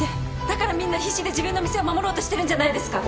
だからみんな必死で自分の店を守ろうとしてるんじゃないですか。